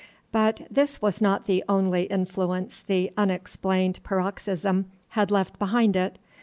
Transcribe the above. But this was not the only influence the unexplained paroxysm had left behind it.